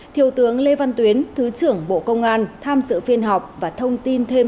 thiều tướng lê văn tuyến thứ trưởng bộ công an tham sự phiên học và thông tin thêm